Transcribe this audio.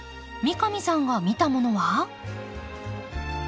三上さんが見たものは？